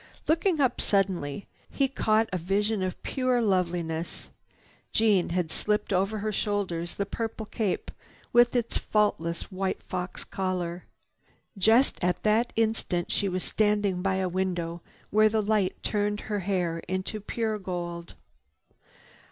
Looking up suddenly, he caught a vision of pure loveliness. Jeanne had slipped over her shoulders the purple cape with its faultless white fox collar. Just at that instant she was standing by a window where the light turned her hair into pure gold.